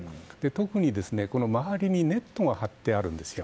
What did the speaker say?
特に周りにネットが張ってあるんです。